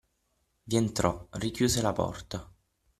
Vi entrò, richiuse la porta.